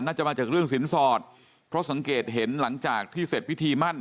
น่าจะมาจากเรื่องสินสอดเพราะสังเกตเห็นหลังจากที่เสร็จพิธีมั่น